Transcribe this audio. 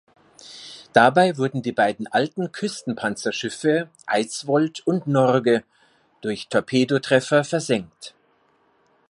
Dabei wurden die beiden alten Küstenpanzerschiffe "Eidsvold" und "Norge" durch Torpedotreffer versenkt.